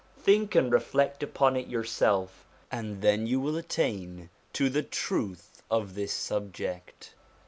Think and reflect upon it yourself, and then you will attain to the truth of this subject.